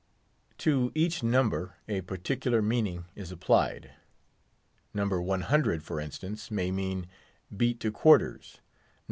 To each number a particular meaning is applied. No. 100, for instance, may mean, "Beat to quarters." No.